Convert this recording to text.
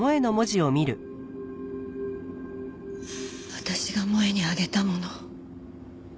私が萌絵にあげたもの。